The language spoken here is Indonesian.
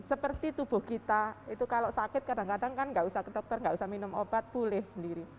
seperti tubuh kita itu kalau sakit kadang kadang kan nggak usah ke dokter nggak usah minum obat boleh sendiri